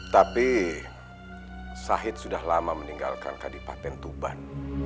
tapi sahid sudah lama meninggalkan kadipaten tuban